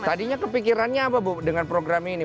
tadinya kepikirannya apa bu dengan program ini